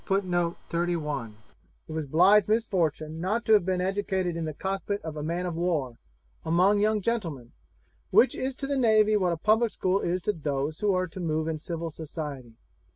It was Bligh's misfortune not to have been educated in the cockpit of a man of war, among young gentlemen, which is to the navy what a public school is to those who are to move in civil society.